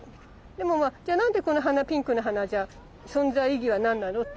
でもまあじゃあなんでこの花ピンクの花は存在意義は何なのっていうと。